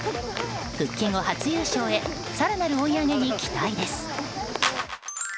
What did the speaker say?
復帰後初優勝へ更なる追い上げに期待です。